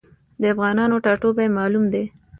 د افغانانو ټاټوبی معلوم دی.